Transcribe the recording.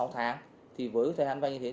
bốn sáu tháng với thời gian vay như thế